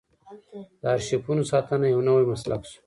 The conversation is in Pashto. د ارشیفونو ساتنه یو نوی مسلک شو.